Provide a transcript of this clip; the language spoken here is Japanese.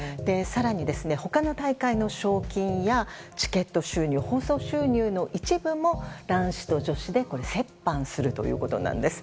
更に、他の大会の賞金やチケット収入、放送収入の一部も男子と女子で折半するということなんです。